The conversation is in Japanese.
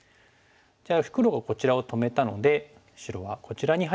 じゃあ黒がこちらを止めたので白はこちらに入っていきましょう。